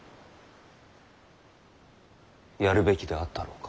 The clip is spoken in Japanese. やるべきであったろうか。